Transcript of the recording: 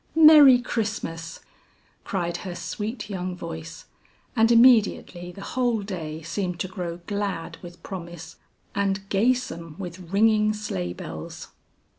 "Merry Christmas," cried her sweet young voice, and immediately the whole day seemed to grow glad with promise and gaysome with ringing sleigh bells.